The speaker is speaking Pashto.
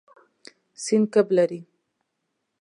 سیند کب لري.